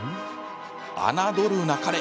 侮るなかれ。